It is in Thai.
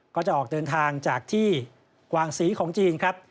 ก็จะออกเดินทางจากที่กวางศรีของจีนครับ